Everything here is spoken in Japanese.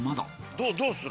どうする？